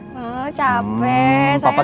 hmm capek sayang